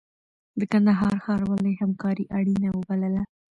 د کندهار ښاروالۍ همکاري اړینه وبلله.